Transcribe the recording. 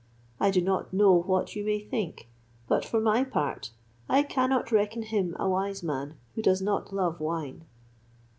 I do not know what you may think; but, for my part, I cannot reckon him a wise man who does not love wine.